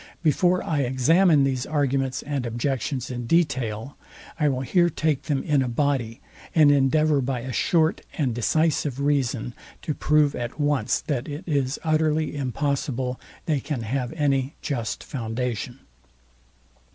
Before I examine these arguments and objections in detail, I will here take them in a body, and endeavour by a short and decisive reason to prove at once, that it is utterly impossible they can have any just foundation.